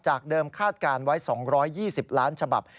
เดิมคาดการณ์ไว้๒๒๐ล้านฉบับ